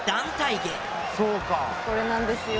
これなんですよ。